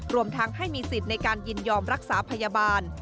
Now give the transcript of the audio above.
รวมทั้งให้มีสิทธิ์ในการยินยอมรักษาพยาบาล